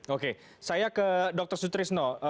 oke saya ke dr sutrisno